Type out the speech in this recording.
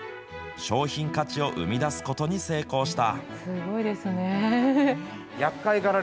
商品価値を生み出すことに成功した。